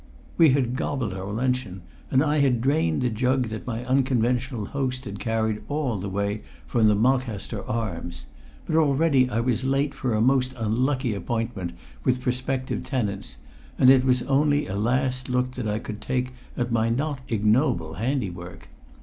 We had gobbled our luncheon, and I had drained the jug that my unconventional host had carried all the way from the Mulcaster Arms; but already I was late for a most unlucky appointment with prospective tenants, and it was only a last look that I could take at my not ignoble handiwork.